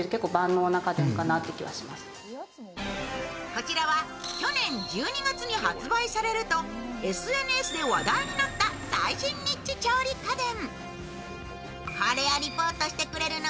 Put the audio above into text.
こちらは去年１２月に発売されるとＳＮＳで話題になった最新ニッチ調理家電。